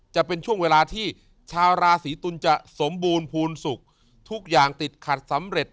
จะเป็นช่วงเวลาที่ชาวราศีตุลจะสมบูรณ์ภูมิสุขทุกอย่างติดขัดสำเร็จ